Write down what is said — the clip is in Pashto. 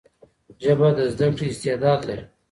ژبه د زده کړې استعداد لري.